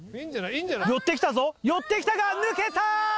寄ってきたぞ寄ってきたが抜けた！